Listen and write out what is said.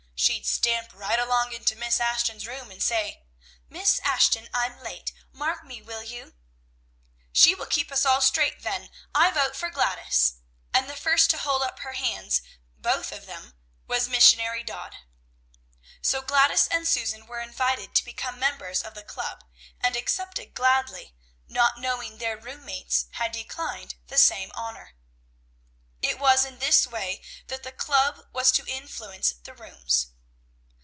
She'd stamp right along into Miss Ashton's room, and say, "'Miss Ashton, I'm late. Mark me, will you?'" "She will keep us straight, then. I vote for Gladys;" and the first to hold up her hands both of them was Missionary Dodd. So Gladys and Susan were invited to become members of the club, and accepted gladly, not knowing their room mates had declined the same honor. It was in this way that the club was to influence the rooms.